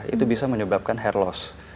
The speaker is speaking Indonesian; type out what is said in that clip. itu bisa menyebabkan hair loss